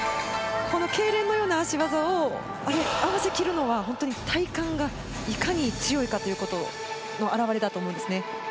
このけいれんのような脚技を合わせ切るのは、本当に体幹がいかに強いかということの表れだと思います。